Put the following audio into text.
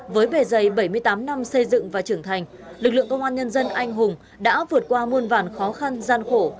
với bề dày bảy mươi tám năm xây dựng và trưởng thành lực lượng công an nhân dân anh hùng đã vượt qua muôn vàn khó khăn gian khổ